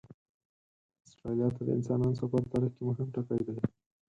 استرالیا ته د انسانانو سفر تاریخ کې مهم ټکی دی.